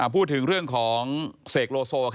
พูดถึงเรื่องของเสกโลโซ